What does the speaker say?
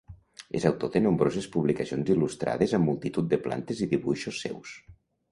És autor de nombroses publicacions il·lustrades amb multitud de plantes i dibuixos seus.